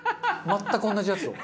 全く同じやつを。